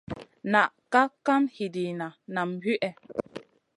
Na kaʼa kam hidina nam wihè.